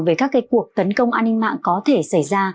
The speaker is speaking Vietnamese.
về các cuộc tấn công an ninh mạng có thể xảy ra